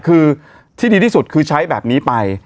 คือที่ดีที่สุดคือใช้แบบนี้ไป